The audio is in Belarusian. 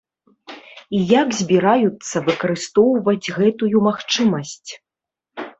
І як збіраюцца выкарыстоўваць гэтую магчымасць.